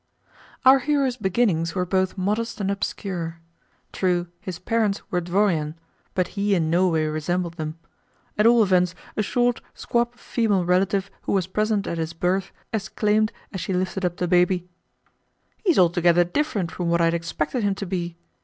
Our hero's beginnings were both modest and obscure. True, his parents were dvoriane, but he in no way resembled them. At all events, a short, squab female relative who was present at his birth exclaimed as she lifted up the baby: "He is altogether different from what I had expected him to be.